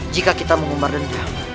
jika kita mengubah dendam